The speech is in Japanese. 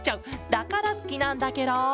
だからすきなんだケロ！